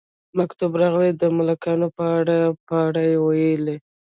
مکتوب راغلی د ملکانو په اړه، یې په اړه وویل.